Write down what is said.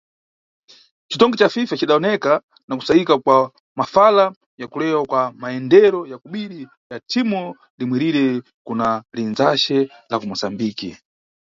Citonge ca FIFA cidawoneka na kusayika kwa mafala ya kulewa kwa mayendero ya kobiri ya thimu limwerire kuna lindzace la ku Musambiki.